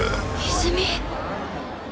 泉？